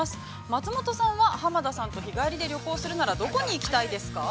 松本さんは、浜田さんと日帰りで旅行するなら、どこに行きたいですか。